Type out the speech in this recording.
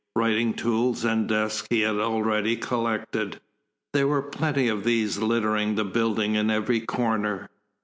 Writing tools and desk he had already collected; there were plenty of these littering the building in every corner.